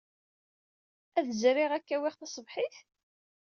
Ad d-zriɣ ad k-awyeɣ taṣebḥit?